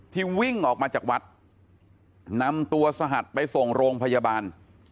วิ่งออกมาจากวัดนำตัวสหัสไปส่งโรงพยาบาล